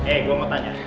eh gue mau tanya